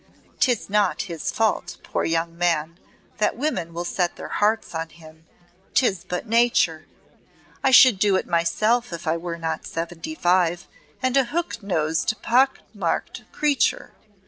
'Tis not his fault, poor young man, that women will set their hearts on him; 'tis but nature. I should do it myself if I were not seventy five and a hooked nosed pock marked creature.